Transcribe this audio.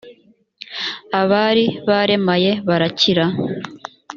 abari baremaye, barakira